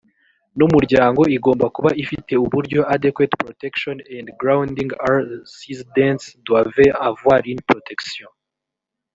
numuryango igomba kuba ifite uburyo adequate protection and grounding r sidences doivent avoir une protection